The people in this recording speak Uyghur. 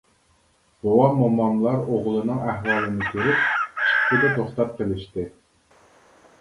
بوۋام-موماملار ئوغلىنىڭ ئەھۋالىنى كۆرۈپ چىپپىدە توختاپ قېلىشتى.